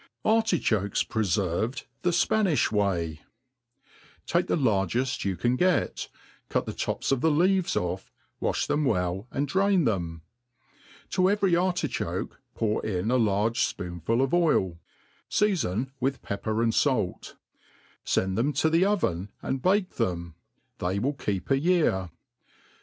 Artichokes preferved the Spanijh Way* TAKE the largeft you can get,' cut the tops of the leaves ' oiF, w^fh them well and drain theth ; to every artichoke i)our in a large fpoonful of oil ; feafon with pepper and fait, fend them ,to the oven, and bake them, they will keep a year.